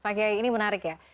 pak kiai ini menarik ya